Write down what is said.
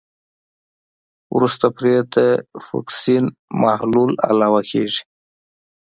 وروسته پرې د فوکسین محلول علاوه کیږي.